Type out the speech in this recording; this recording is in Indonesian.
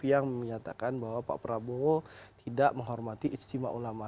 yang menyatakan bahwa pak prabowo tidak menghormati ijtima ulama